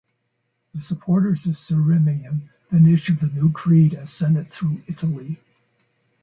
The supporters of Sirmium then issued the new creed and sent it through Italy.